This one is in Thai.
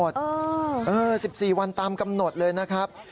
๑๔วันตามกำหนดเลยนะครับ